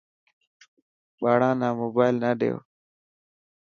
ٻاڙا نا موبائل نه ڏيو.